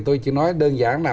tôi chỉ nói đơn giản là